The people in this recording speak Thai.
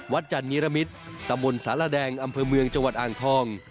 จันนิรมิตรตำบลสารแดงอำเภอเมืองจังหวัดอ่างทอง